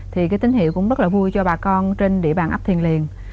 thì cái tín hiệu cũng rất là vui cho bà con trên địa bàn ấp thiền liền